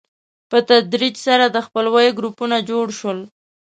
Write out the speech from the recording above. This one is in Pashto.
په تدریج سره د خپلوۍ ګروپونه جوړ شول.